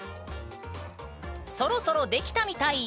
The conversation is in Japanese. そろそろ出来たみたい！